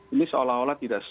ini seolah olah tidak